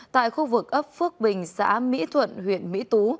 tại khu vực ấp phước bình xã mỹ thuận huyện mỹ tú